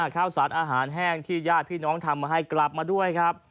ข้าวสารอาหารแห้งที่ญาติพี่น้องทำมาให้กลับมาด้วยครับ